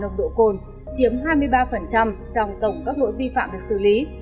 nồng độ cồn chiếm hai mươi ba trong tổng các lỗi vi phạm được xử lý